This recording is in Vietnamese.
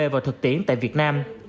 vào thực tiễn tại việt nam